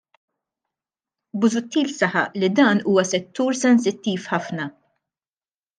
Busuttil saħaq li dan huwa settur sensittiv ħafna.